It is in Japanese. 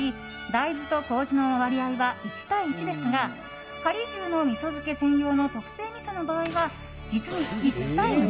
大豆と麹の割合は１：１ですが、はり重のみそ漬け専用の特製みその場合は実に１：２３。